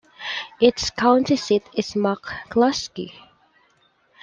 Its county seat is McClusky.